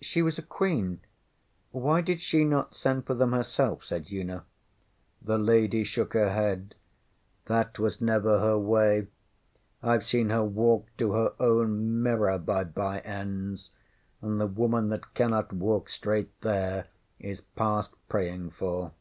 ŌĆØŌĆÖ ŌĆśShe was a Queen. Why did she not send for them herself? ŌĆÖ said Una. The lady shook her head. ŌĆśThat was never her way. IŌĆÖve seen her walk to her own mirror by bye ends, and the woman that cannot walk straight there is past praying for.